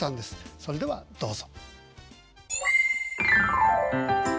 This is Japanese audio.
それではどうぞ。